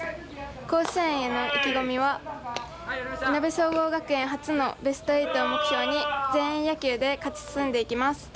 甲子園での意気込みはいなべ総合学園初のベスト８を目標に全員野球で勝ち進んでいきます。